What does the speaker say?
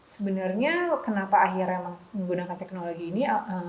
sebenarnya kenapa akhirnya menggunakan teknologi ini